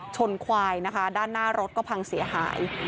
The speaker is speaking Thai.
ชนควายนะคะด้านหน้ารถก็พังเสียหาย